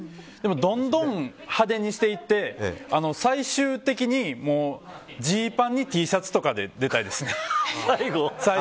どんどん派手にしていって最終的に、ジーパンにＴシャツとかで出たいです。